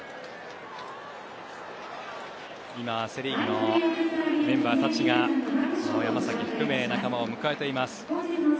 今、セ・リーグのメンバーたちが山崎含め、仲間を迎えています。